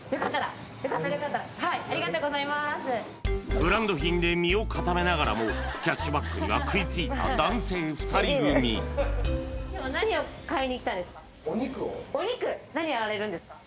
ブランド品で身を固めながらもキャッシュバックには食いついた男性２人組お肉何やられるんですか？